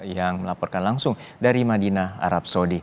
yang melaporkan langsung dari madinah arab saudi